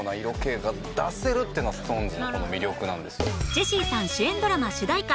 ジェシーさん主演ドラマ主題歌。